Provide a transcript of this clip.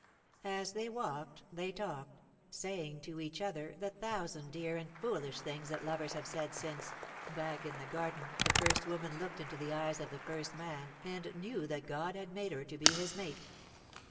As they walked, they talked, saying to each other the thousand dear and foolish things that lovers have said since, back in the Garden, the First Woman looked into the eyes of the First Man and knew that God had made her to be his mate.